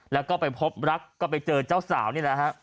แล้วก็ไปพบรักก็ไปเจอเจ้าสาวนี่แหละฮะ